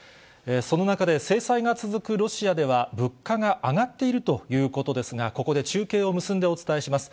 その中で制裁が続くロシアでは、物価が上がっているということですが、ここで中継を結んでお伝えします。